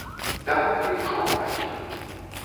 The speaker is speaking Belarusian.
Дамоў я ішоў адзін.